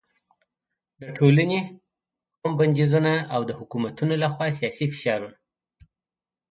د ټولنې، قوم بندیزونه او د حکومتونو له خوا سیاسي فشار